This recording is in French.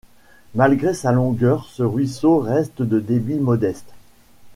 Malgré sa longueur, ce ruisseau reste de débit modeste.